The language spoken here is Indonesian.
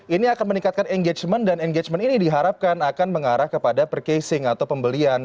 ini akan meningkatkan engagement dan engagement ini diharapkan akan mengarah kepada percasing atau pembelian